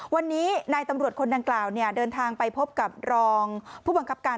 วันนี้นายตำรวจคนดังกล่าวเดินทางไปพบกับรองผู้บังคับการ